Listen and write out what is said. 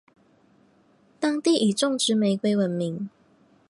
当地以种植玫瑰闻名。